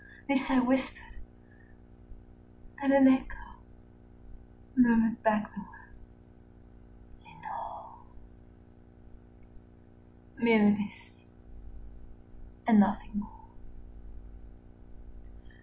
This I whispered, and an echo murmured back the word, "Lenore:" Merely this and nothing more.